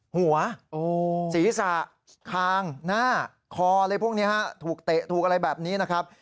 หัวศีรษะคางหน้าคออะไรพวกนี้ฮะถูกเตะถูกอะไรแบบนี้นะครับ